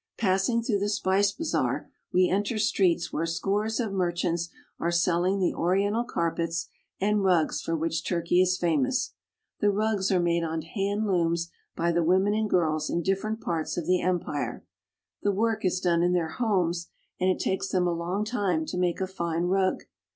Passing through the spice bazaar, we enter streets where scores of merchants are selling the oriental carpets and rugs for which Turkey is famous. The rugs are made on hand looms by the women and girls in different parts of the empire. The work is done in their homes, and it takes them a long time to make a fine rug.